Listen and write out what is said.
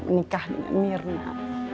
menikah dengan mirna